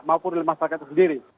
maupun masyarakat itu sendiri